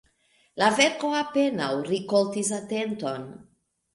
La verko apenaŭ rikoltis atenton.